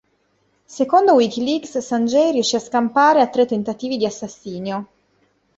Secondo WikiLeaks, Sanjay riuscì a scampare a tre tentativi di assassinio.